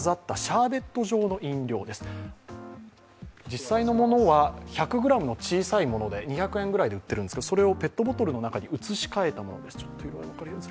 実際のものは１００ｇの小さいもので２００円ぐらいで売っているんですけれどもそれをペットボトルの中に移し替たものです。